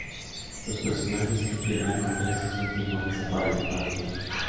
Los personajes que pierdan contra estos últimos desaparecen para siempre.